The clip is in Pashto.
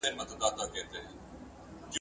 پروفیسور ګارډنر دا نظر رد کړ.